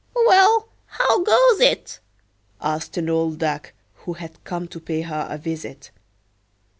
"Well, how goes it?" asked an old Duck who had come to pay her a visit.